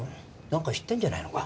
なんか知ってんじゃないのか？